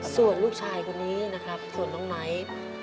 ส่วนลูกชายคนนี้นะครับส่วนน้องไมค์